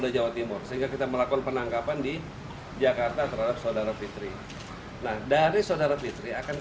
mereka berpengalaman dengan penangkapan dan penangkapan